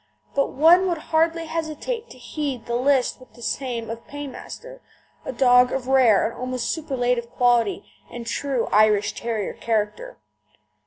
But one would hardly hesitate to head the list with the name of Paymaster, a dog of rare and almost superlative quality and true Irish Terrier character.